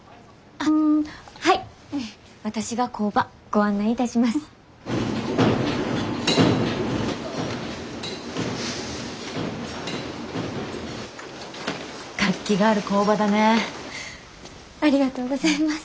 ありがとうございます。